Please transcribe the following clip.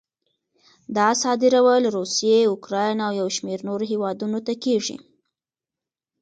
دا صادرول روسیې، اوکراین او یو شمېر نورو هېوادونو ته کېږي.